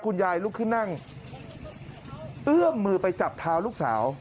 ลุกขึ้นนั่งเอื้อมมือไปจับเท้าลูกสาว